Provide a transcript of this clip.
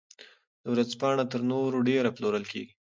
دا ورځپاڼه تر نورو ډېر پلورل کیږي.